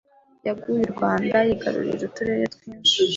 Yaguye u Rwanda yigarurira uturere twinshi: